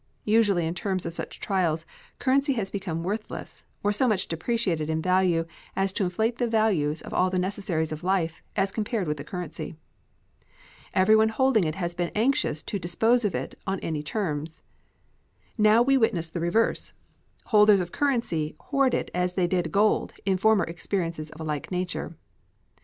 Usually in times of such trials currency has become worthless, or so much depreciated in value as to inflate the values of all the necessaries of life as compared with the currency. Everyone holding it has been anxious to dispose of it on any terms. Now we witness the reverse. Holders of currency hoard it as they did gold in former experiences of a like nature.